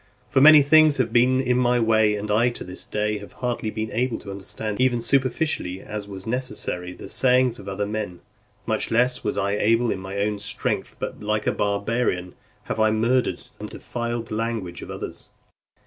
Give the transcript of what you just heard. For many things have been in my way, and I, to this day, have hardly been able to understand, even superficially, as was necessary, the sayings of other men; much less was I able in my own strength, but like a barbarian, have I murdered and defiled the language of others.